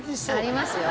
ありますよ。